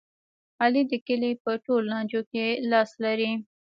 علي د کلي په ټول لانجو کې لاس لري.